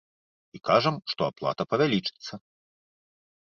І кажам, што аплата павялічыцца.